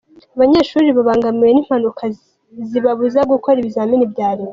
Abanyeshuri babangamiwe n’impanuka zibabuza gukora ibizami bya Leta.